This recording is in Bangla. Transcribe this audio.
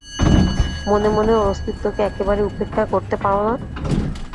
মনে মনে ওর অস্তিত্বকে একেবারে উপেক্ষা করতে পার না?